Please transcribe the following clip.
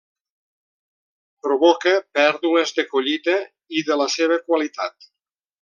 Provoca pèrdues de collita i de la seva qualitat.